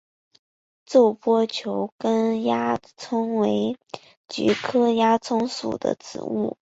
皱波球根鸦葱为菊科鸦葱属的植物。